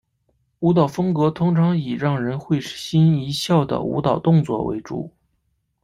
舞蹈风格通常以让人会心一笑的舞蹈动作为主。